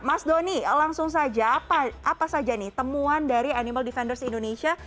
mas doni langsung saja apa saja nih temuan dari animal defenders indonesia